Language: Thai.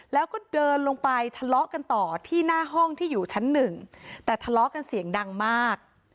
แล้วก็เดินลงไปทะเลาะกันต่อที่หน้าห้องที่อยู่ชั้นหนึ่งแต่ทะเลาะกันเสียงดังมาก